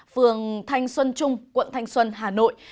phường thanh xuân trung quận thanh xuân hà nội